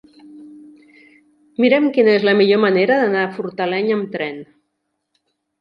Mira'm quina és la millor manera d'anar a Fortaleny amb tren.